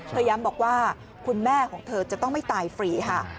ย้ำบอกว่าคุณแม่ของเธอจะต้องไม่ตายฟรีค่ะ